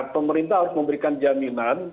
pemerintah harus memberikan jaminan